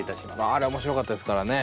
あれ面白かったですからね。